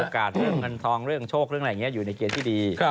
เรื่องเงินทองเรื่องโชคเรื่องอะไรอย่างนี้อยู่ในเกณฑ์ที่ดี